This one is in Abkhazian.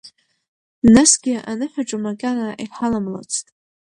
Насгьы аныҳәаҿа макьана иҳаламлацт.